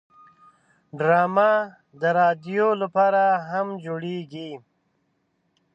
ډرامه د رادیو لپاره هم جوړیږي